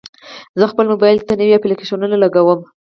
زه خپل موبایل ته نوي اپلیکیشنونه لګوم.